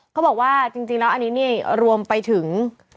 เขาบอกว่าจริงแล้วอันนี้นี่รวมไปถึง